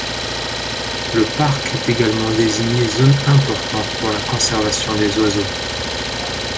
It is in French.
Le parc est également désigné zone importante pour la conservation des oiseaux.